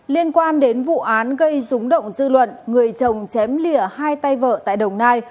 liên quan đến vụ án gây rúng động dư luận người chồng chém lìa hai tay vợ tại đồng nai